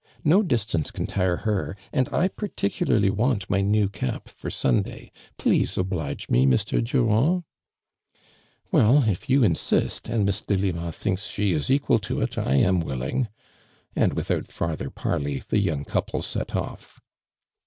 No dis tance can tire her, and I particularly want my new cap for Sunday. Please oblige me. Mr. Durand?" '• Well, if you insist, and Miss Delima thinks she is equal to it, I am willing," and without farther parley, the young couple set off.